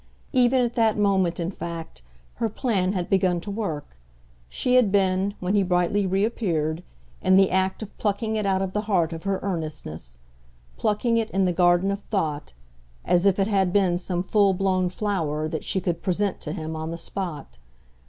Even at that moment, in fact, her plan had begun to work; she had been, when he brightly reappeared, in the act of plucking it out of the heart of her earnestness plucking it, in the garden of thought, as if it had been some full blown flower that she could present to him on the spot.